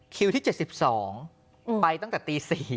ที่๗๒ไปตั้งแต่ตี๔